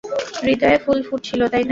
হৃদয়ে ফুল ফুটছিল, তাই না?